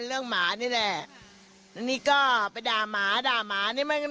สองวันมาทำแบบนี้